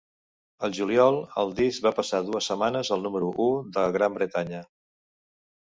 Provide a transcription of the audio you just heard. Al juliol, el disc va passar dues setmanes al número u de Gran Bretanya.